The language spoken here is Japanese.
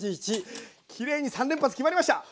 きれいに３連発決まりました！